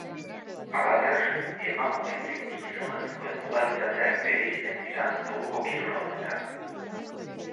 Halaber, emakume zein gizonezkoen modalitateak bereizten dira neguko kirol honetan.